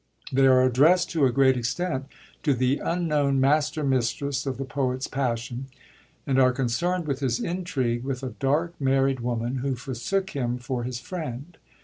They are addrest, to a great extent, to the unknown master mistress of the poet's passion, and are concemd with his intrigue with a dark, married woman, who forsook him for his friend.